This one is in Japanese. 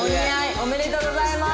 おめでとうございます。